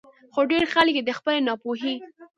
خو ډېر خلک ئې د خپلې نا پوهۍ